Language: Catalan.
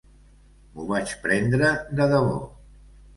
M'ho vaig prendre de debò...